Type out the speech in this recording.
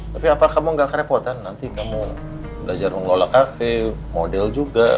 tapi apa kamu nggak kerepotan nanti kamu belajar ngelola kafe model juga